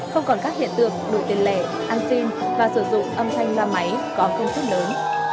không còn các hiện tượng đổi tiền lẻ an sinh và sử dụng âm thanh ra máy có công thức lớn